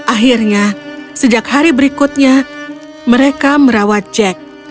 akhirnya sejak hari berikutnya mereka merawat jack